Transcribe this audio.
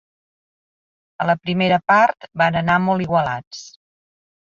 A la primera part van anar molt igualats.